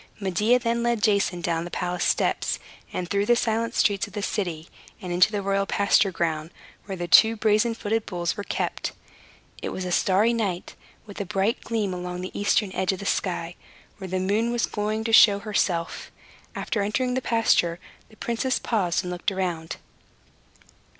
Medea then led Jason down the palace steps, and through the silent streets of the city, and into the royal pasture ground, where the two brazen footed bulls were kept. It was a starry night, with a bright gleam along the eastern edge of the sky, where the moon was soon going to show herself. After entering the pasture, the princess paused and looked around.